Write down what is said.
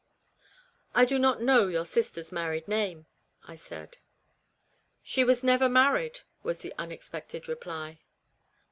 " I do not know your sister's married name," I said. " She was never married," was the un expected reply.